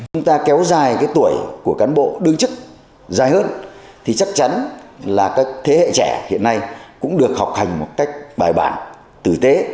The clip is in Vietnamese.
chúng ta kéo dài cái tuổi của cán bộ đương chức dài hơn thì chắc chắn là các thế hệ trẻ hiện nay cũng được học hành một cách bài bản tử tế